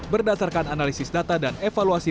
berdasarkan analisis data dan evaluasi